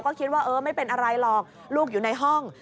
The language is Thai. ก็คิดว่าเออไม่เป็นอะไรหรอกลูกอยู่ในห้อง